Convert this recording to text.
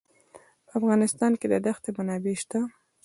په افغانستان کې د دښتې منابع شته.